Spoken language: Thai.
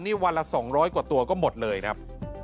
นี่วันละ๒๐๐กว่าตัวก็หมดเลยครับ